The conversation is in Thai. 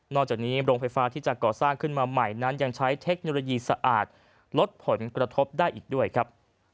จากนี้โรงไฟฟ้าที่จะก่อสร้างขึ้นมาใหม่นั้นยังใช้เทคโนโลยีสะอาดลดผลกระทบได้อีกด้วยครับ